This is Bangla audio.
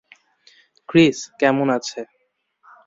ক্রিস কেমন আছে?